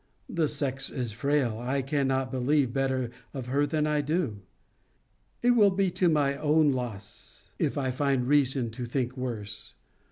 The sex is frail. I cannot believe better of her than I do. It will be to my own loss, if I find reason to think worse.'